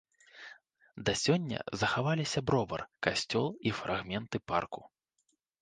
Да сёння захаваліся бровар, касцёл і фрагменты парку.